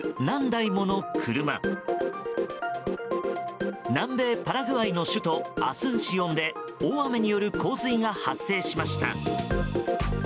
南米パラグアイの首都アスンシオンで大雨による洪水が発生しました。